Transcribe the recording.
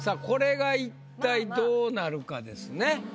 これが一体どうなるかですね。